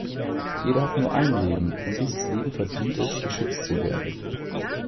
Jeder hat nur ein Leben, und dieses Leben verdient es, geschützt zu werden.